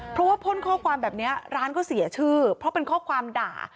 เพราะว่าพ่นข้อความแบบนี้ร้านก็เสียชื่อเพราะเป็นข้อความด่า